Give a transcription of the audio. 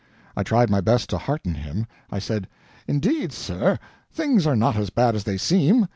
I tried my best to hearten him. I said, "Indeed, sir, things are not as bad as they seem.